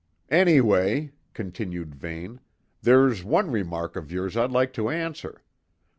"Anyway," continued Vane, "there's one remark of yours I'd like to answer.